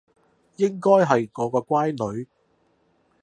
應該係我個乖女